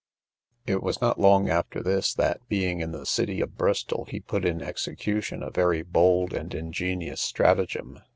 It was not long after this, that, being in the city of Bristol, he put in execution a very bold and ingenious stratagem.